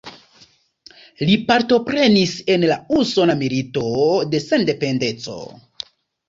Li partoprenis en la Usona Milito de Sendependeco.